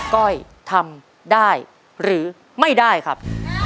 ก้อยทำได้หรือไม่ได้ครับ